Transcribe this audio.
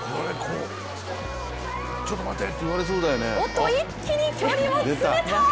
おっと、一気に距離を詰めた！